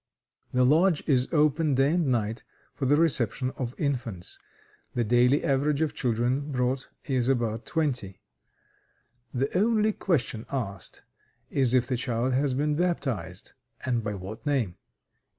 The lodge is open day and night for the reception of infants. The daily average of children brought is about twenty. The only question asked is if the child has been baptized, and by what name.